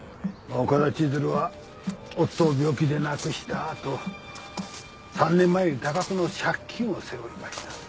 岡田千鶴は夫を病気で亡くした後３年前に多額の借金を背負いました。